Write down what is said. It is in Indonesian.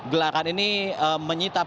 gelaran ini menyitapkan